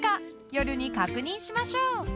［夜に確認しましょう］